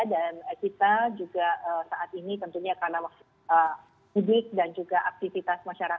dan kita juga saat ini tentunya karena kondisi klinik dan juga aktivitas masyarakat